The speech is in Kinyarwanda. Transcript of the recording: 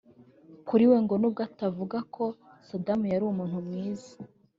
Kuri we ngo n’ubwo atavuga ko Saddam yari umuntu mwiza